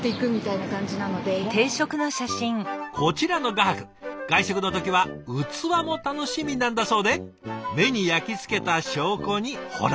こちらの画伯外食の時は器も楽しみなんだそうで目に焼き付けた証拠にほら。